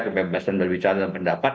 kebebasan berbicara dan pendapat